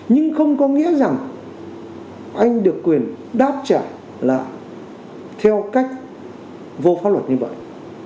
nhưng không có nghĩa rằng anh được quyền đáp trả là theo cách vô pháp luật như vậy